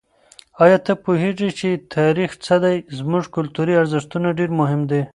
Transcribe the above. آیا ته پوهېږې چې تاریخ څه دی؟ زموږ کلتوري ارزښتونه ډېر مهم دي.